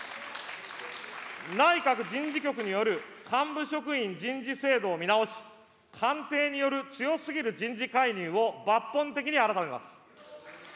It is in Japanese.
内閣人事局による幹部職員人事制度を見直し、官邸による強すぎる人事介入を抜本的に改めます。